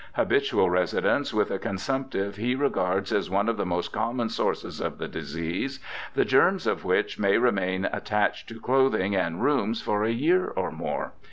Habitual residence with a consumptive he regards as one of the most common sources of the disease, the germs of which may remain attached to clothing and rooms for a year or more.